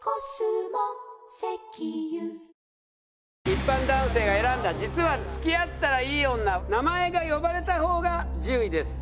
一般男性が選んだ実は付き合ったらイイ女名前が呼ばれた方が１０位です。